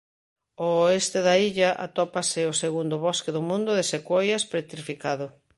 Ao oeste da illa atópase o segundo bosque do mundo de sequoias petrificado.